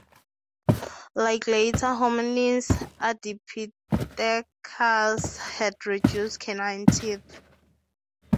Like later hominins, "Ardipithecus" had reduced canine teeth.